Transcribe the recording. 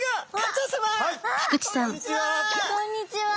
こんにちは。